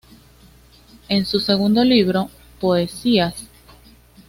En su segundo libro "¿Poesías...?